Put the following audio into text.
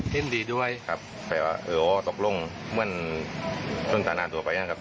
เห็นดีด้วยครับแปลว่าเอ่อตกลงเหมือนจนตานานตัวไปนะครับ